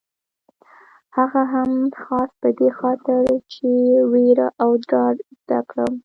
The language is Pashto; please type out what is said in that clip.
هغه هم خاص په دې خاطر چې وېره او ډار زده کړم.